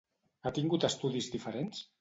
Ha tingut estudis diferents?